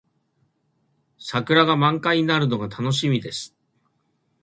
桜が満開になるのが楽しみです。